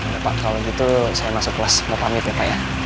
bapak kalau gitu saya masuk kelas mau pamit ya pak ya